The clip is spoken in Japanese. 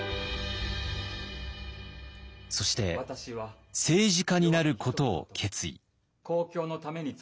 そして政治家になることを決意。